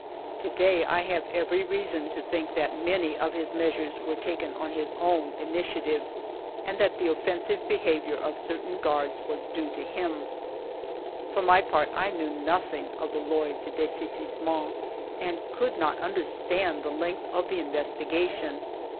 19 290 FIVE YEARS OF MY LIFE To day I have every reason to think that many of his measures were taken on his own initiative, and that the offensive behavior of certain guards was due to him. For my part I knew nothing of the Loi de Des saisissement and could not understand the length of the investigation.